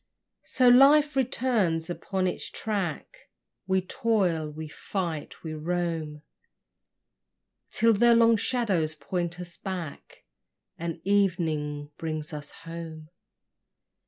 So life returns upon its track: We toil, we fight, we roam, Till the long shadows point us back, And evening brings us home.